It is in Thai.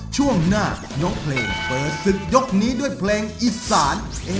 ช่วงหน้ายกเพลงเปิดศึกยกนี้ด้วยเพลงอีสาน